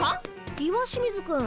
石清水くん。